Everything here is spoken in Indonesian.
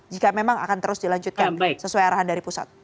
jika memang akan terus dilanjutkan sesuai arahan dari pusat